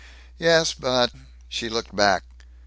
"Yes, but " She looked back.